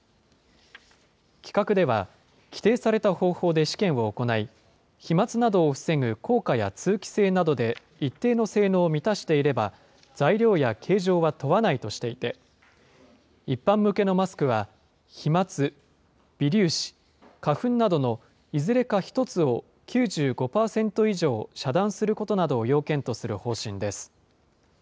規格では、規定された方法で試験を行い、飛まつなどを防ぐ効果や通気性などで一定の性能を満たしていれば、材料や形状は問わないとしていて、一般向けのマスクは飛まつ、微粒子、花粉などのいずれか１つを９５％以上遮断することなどを要件とする方針です。